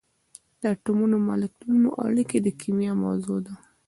د اتمونو او مالیکولونو اړیکې د کېمیا موضوع ده.